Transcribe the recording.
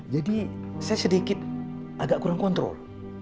jadi saya sedikit agak kurang kontrol